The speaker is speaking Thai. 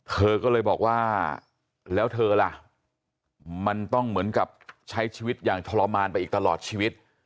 เธอก็เลยบอกว่าแล้วเธอล่ะมันต้องเหมือนกับใช้ชีวิตอย่างทรมานไปอีกตลอดชีวิต